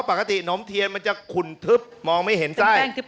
ประกัติน้ำเทียนมันคุนทึบมองไม่เห็นไส